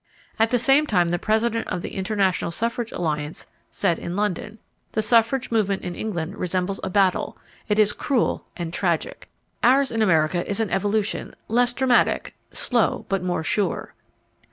At the same time the President of the International Suffrage Alliance said in London: "The suffrage movement in England resembles a battle. It is cruel and tragic. Ours in America is an evolution less dramatic, slow but more sure."